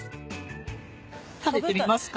食べてみますか？